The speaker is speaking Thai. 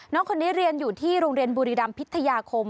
น้องคนนี้เรียนอยู่ที่โรงเรียนบุรีรำพิทยาคม